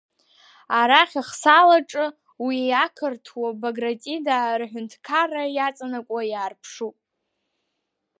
Арахь ахсаалаҿы уи ақырҭуа багратидаа рҳәынҭқарра иаҵанакуа иаарԥшуп.